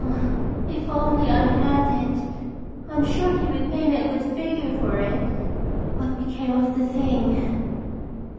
If only I had it! I'm sure he would pay me a good figure for it. What became of the thing?"